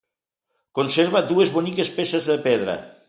Conserva dues boniques peces de pedra.